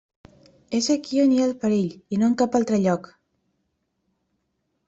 És aquí on hi ha el perill, i no en cap altre lloc.